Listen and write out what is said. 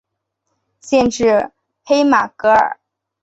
县治黑马戈尔。